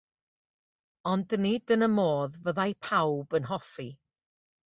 Ond nid yn y modd fyddai pawb yn hoffi.